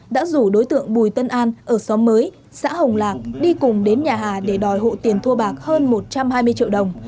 đã rủ đối tượng bùi tân an ở xóm mới xã hồng lạc đi cùng đến nhà hà để đòi hộ tiền thu bạc hơn một trăm hai mươi triệu đồng